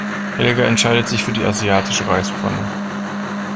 Helga entscheidet sich für die asiatische Reispfanne.